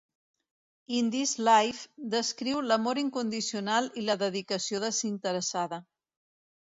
"In This Life" descriu l"amor incondicional i la dedicació desinteressada.